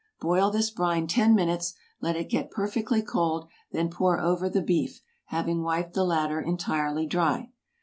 Boil this brine ten minutes; let it get perfectly cold; then pour over the beef, having wiped the latter entirely dry.